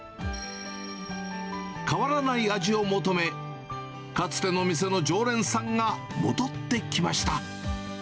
変わらない味を求め、かつての店の常連さんが戻ってきました。